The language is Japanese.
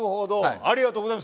ありがとうございます。